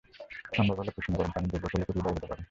সম্ভব হলে কুসুম গরম পানি দিয়ে গোসলও করিয়ে দেওয়া যেতে পারে।